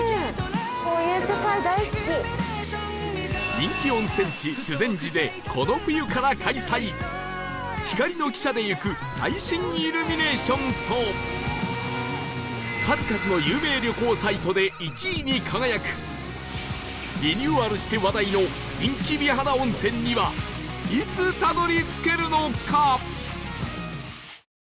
人気温泉地修善寺でこの冬から開催光の汽車で行く最新イルミネーションと数々の有名旅行サイトで１位に輝くリニューアルして話題の人気美肌温泉にはいつたどり着けるのか？